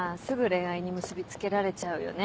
恋愛に結び付けられちゃうよね。